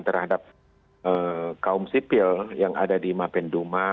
terhadap kaum sipil yang ada di mapenduma